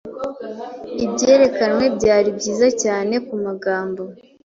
Ibyerekanwe byari byiza cyane kumagambo.